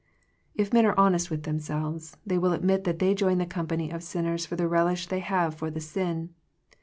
If men are honest with them selves, they will admit that they join the company of sinners, for the relish they have for the sin.